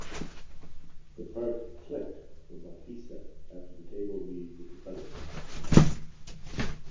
The part "clicked" for Bautista after the table read with the other cast.